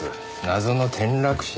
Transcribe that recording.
謎の転落死！」